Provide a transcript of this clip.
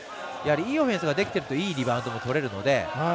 いいオフェンスができているといいリバウンドも取れるので。